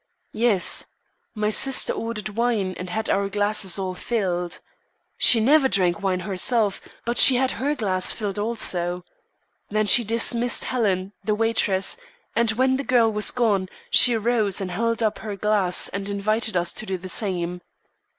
"Yes, my sister ordered wine, and had our glasses all filled. She never drank wine herself, but she had her glass filled also. Then she dismissed Helen, the waitress; and when the girl was gone, she rose and held up her glass, and invited us to do the same.